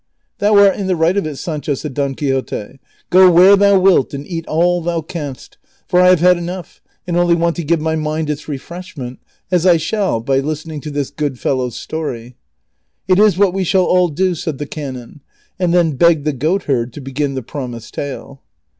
" Thou art in the right of it, Sancho," said Don Quixote ;*' go where thou wilt and eat all thou canst, for I have had enough, and only want to give my mind its refreshment, as I shall by listening to this good fellow's story." "It is what we shall all do," said the canon ; and then begged the goatherd to begin the promised tale.